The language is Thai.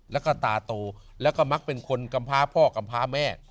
แล้วก็ตาโตแล้วก็มักเป็นคนกำพาพ่อกำพาแม่